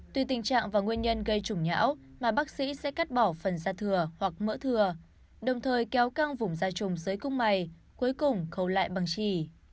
tuy tình trạng và nguyên nhân gây trùng nhão mà bác sĩ sẽ cắt bỏ phần da thừa hoặc mỡ thừa đồng thời kéo căng vùng da trùm dưới cung mày cuối cùng khâu lại bằng chỉ